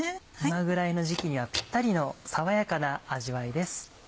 今ぐらいの時期にはピッタリの爽やかな味わいです。